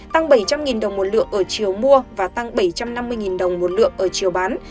tăng bảy trăm linh đồng một lượng ở chiều mua và tăng bảy trăm năm mươi đồng một lượng ở chiều bán